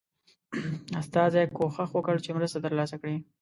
استازي کوښښ وکړ چې مرسته ترلاسه کړي.